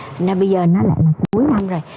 thành ra bây giờ nó lại cuối năm rồi